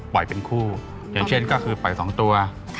ปล่อยเป็นคู่เช่นก็คือปล่ายสองตัว